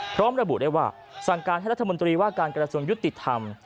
พร้อมระบุได้ว่าสั่งการให้รัฐมนตรีว่าการกระทรวงยุติธรรม